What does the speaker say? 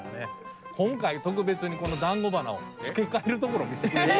今回特別にこのだんご鼻を付け替えるところを見せてくれる。